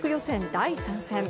第３戦。